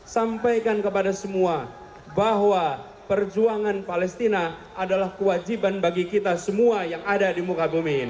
sampaikan kepada semua bahwa perjuangan palestina adalah kewajiban bagi kita semua yang ada di muka bumi ini